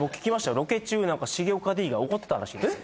ロケ中何か結構怒ってたらしいんですよ・